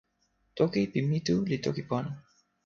toki pi mi tu li toki pona.